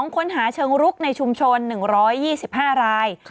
ค้นหาเชิงรุกในชุมชน๑๒๕ราย